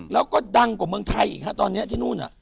แล้วก็ดังกว่าเมืองไทยอีกฮะตอนนี้ที่นู่น